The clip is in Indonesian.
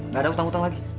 nggak ada hutang hutang lagi